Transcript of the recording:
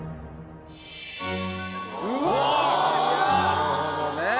なるほどね。